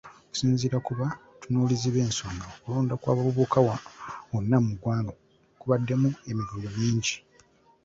Okusinziira ku batunuulizi b’ensonga, okulonda kw’abavubuka wonna mu ggwanga kubaddemu emivuyo mingi.